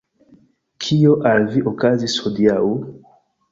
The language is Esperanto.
Kio al vi okazis hodiaŭ?